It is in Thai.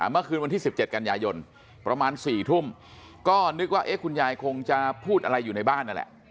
เมื่อคืนวันที่๑๗กันยายนประมาณ๔ทุ่มก็นึกว่าคุณยายคงจะพูดอะไรอยู่ในบ้านนั่นแหละ